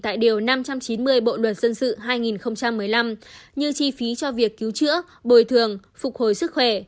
tại điều năm trăm chín mươi bộ luật dân sự hai nghìn một mươi năm như chi phí cho việc cứu chữa bồi thường phục hồi sức khỏe